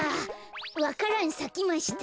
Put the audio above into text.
わか蘭さきました。